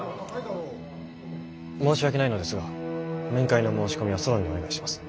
申し訳ないのですが面会の申し込みはソロンにお願いします。